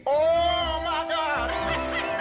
โอ้มากอ่ะ